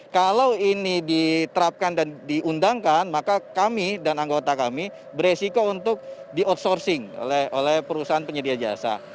kalau ini diterapkan dan diundangkan maka kami dan anggota kami beresiko untuk di outsourcing oleh perusahaan penyedia jasa